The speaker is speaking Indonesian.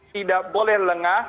tidak boleh lengah